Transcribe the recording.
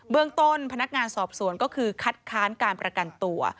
เรื่องต้นพนักงานสอบสวนก็คือคัดค้านการประกันตัว